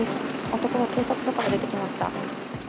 男が警察署から出てきました。